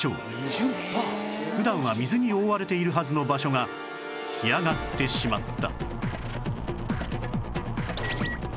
普段は水に覆われているはずの場所が干上がってしまった